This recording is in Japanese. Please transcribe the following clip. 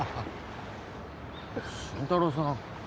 新太郎さん